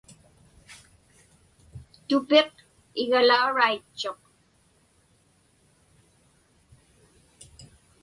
Tupiq igalauraitchuq.